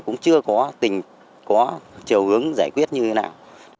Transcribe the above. cũng chưa có trường hướng giải quyết như thế nào